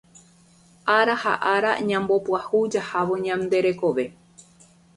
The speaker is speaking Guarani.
ára ha ára ñambopyahu jahávo ñande rekove